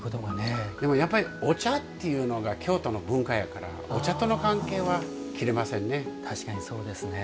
やっぱりお茶っていうのが京都の文化やからお茶との関係は切れませんね。